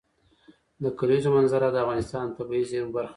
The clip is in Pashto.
د کلیزو منظره د افغانستان د طبیعي زیرمو برخه ده.